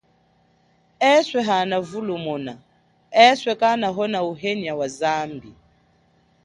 Eswe hana vulumuna, eswe kanahono uhenya wa zambi.